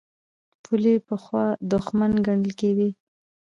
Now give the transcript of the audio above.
پولې پخوا دښمن ګڼل کېدې.